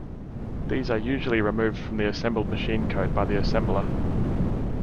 These are usually removed from the assembled machine code by the assembler.